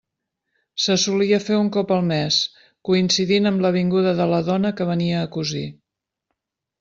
Se solia fer un cop al mes, coincidint amb la vinguda de la dona que venia a cosir.